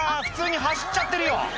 普通に走っちゃってるよ